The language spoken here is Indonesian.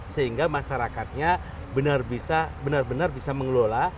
sehingga masyarakatnya benar benar bisa mengelola